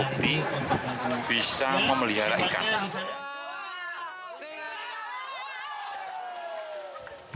bukti bisa memelihara ikan